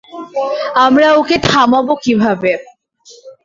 আমরা ওকে থামাবো কীভাবে?